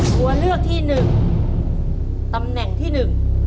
ตัวเลือกที่หนึ่งตำแหน่งที่หนึ่ง